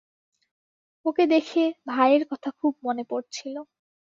ওকে দেখে, ভাইয়ের কথা খুব মনে পড়ছিল।